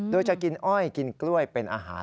โดยจะกินอ้อยกินกล้วยเป็นอาหาร